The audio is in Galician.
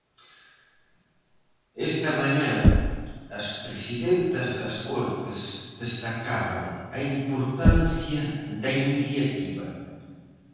Esta mañá as presidentas das Cortes destacaban a importancia da iniciativa.